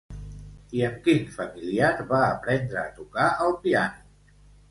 I amb quin familiar va aprendre a tocar el piano?